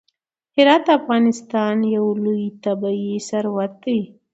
هرات د افغانستان یو لوی طبعي ثروت دی.